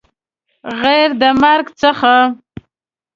غیر د مرګ څخه